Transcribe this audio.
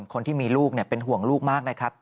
คนที่มีลูกเป็นห่วงลูกมากนะครับ